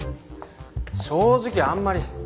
正直あんまり。